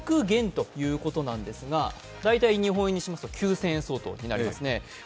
５００元ということなんですが、大体日本円にしますと９０００円相当になりますね。